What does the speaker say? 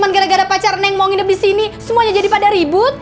makan masa teh cuma gara gara pacar neng mau hidup di sini semuanya jadi pada ribut